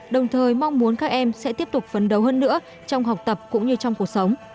đồng thời mong muốn các em sẽ tiếp tục phấn đấu hơn nữa trong học tập cũng như trong cuộc sống